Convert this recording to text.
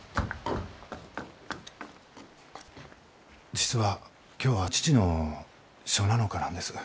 実は今日は父の初七日なんです。